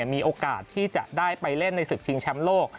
มีโอกาสที่จะได้ไปเล่นในศึกชิงแชมป์โลก